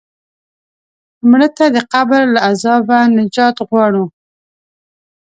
مړه ته د قبر له عذابه نجات غواړو